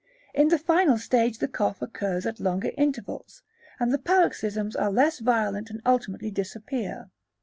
In the final stage the cough occurs at longer intervals, and the paroxysms are less violent and ultimately disappear.